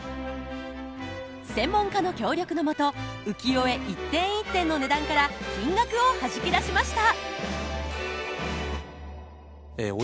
専門家の協力の下浮世絵一点一点の値段から金額をはじき出しました！